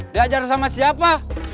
diajar sama siapa